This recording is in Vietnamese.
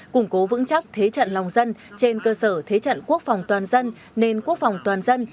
củng cố vững chắc thế trận lòng dân trên cơ sở thế trận quốc phòng toàn dân nền quốc phòng toàn dân